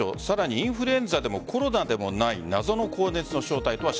インフルエンザでもコロナでもない謎の高熱の正体とは。